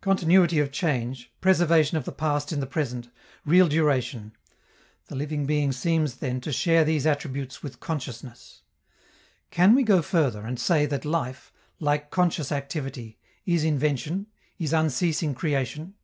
Continuity of change, preservation of the past in the present, real duration the living being seems, then, to share these attributes with consciousness. Can we go further and say that life, like conscious activity, is invention, is unceasing creation?